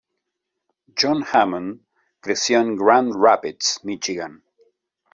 John Hammond creció en Grand Rapids, Michigan.